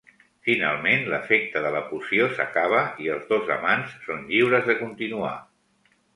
Finalment, l'efecte de la poció s'acaba i els dos amants són lliures de continuar.